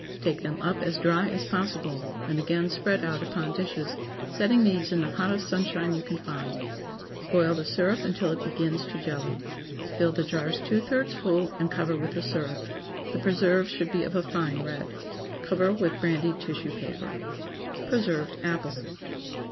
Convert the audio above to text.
Take them up as dry as possible, and again spread out upon dishes, setting these in the hottest sunshine you can find. Boil the syrup until it begins to jelly; fill the jars two thirds full and cover with the syrup. The preserves should be of a fine red. Cover with brandied tissue paper. PRESERVED APPLES.